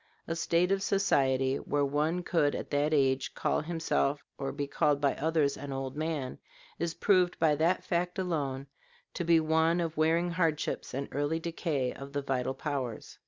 A state of society where one could at that age call himself or be called by others an old man, is proved by that fact alone to be one of wearing hardships and early decay of the vital powers.